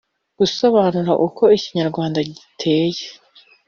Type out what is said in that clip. gusobanura uko Ikinyarwanda giteye